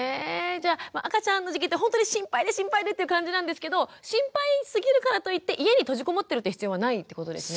じゃあ赤ちゃんの時期ってほんとに心配で心配でっていう感じなんですけど心配すぎるからといって家に閉じこもってるって必要はないってことですね。